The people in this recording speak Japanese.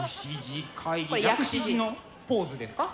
薬師寺のポーズですか？